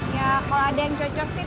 ya kalau ada yang cocok sih